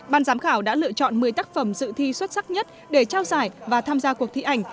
ban giám khảo đã lựa chọn một mươi tác phẩm dự thi xuất sắc nhất để trao giải và tham gia cuộc thi ảnh